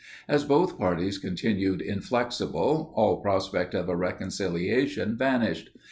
As both parties continued inflexible, all prospect of a reconciliation vanished.